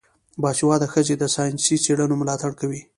باسواده ښځې د ساینسي څیړنو ملاتړ کوي.